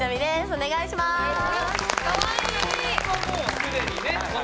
お願いしまー